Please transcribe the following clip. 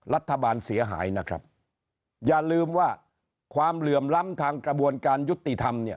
รัฐบาลเสียหายนะครับอย่าลืมว่าความเหลื่อมล้ำทางกระบวนการยุติธรรมเนี่ย